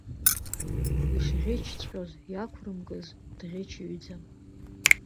Ишӷьычҵәҟьоз иақәрымкыз, дӷьычҩӡам!